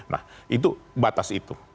nah itu batas itu